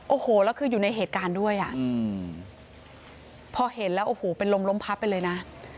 โอ้โหแล้วคืออยู่ในเหตุการณ์ด้วยอ่ะพอเห็นแล้วโอ้โหเป็นลมล้มพับไปเลยนะ